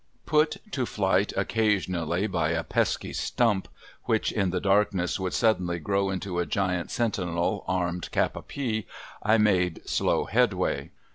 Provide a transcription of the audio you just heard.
Put to flight occasionally by a pesky stump, which in the darkness would suddenly grow into a giant sentinel armed cap a pie, I made slow headway.